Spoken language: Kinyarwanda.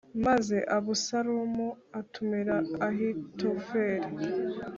Maze Abusalomu atumira Ahitofeli